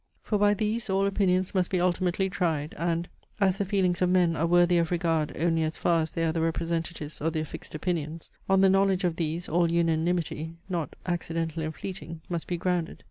For by these all opinions must be ultimately tried; and, (as the feelings of men are worthy of regard only as far as they are the representatives of their fixed opinions,) on the knowledge of these all unanimity, not accidental and fleeting, must be grounded.